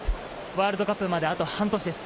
ワールドカップまであと半年です。